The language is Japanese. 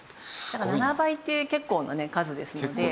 だから７倍って結構な数ですので。